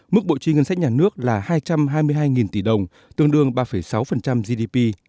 mức bộ chi ngân sách nhà nước là hai trăm hai mươi hai tỷ đồng tương đương ba sáu gdp